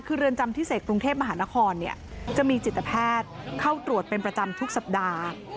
คือเรือนจำพิเศษกรุงเทพมหานครจะมีจิตแพทย์เข้าตรวจเป็นประจำทุกสัปดาห์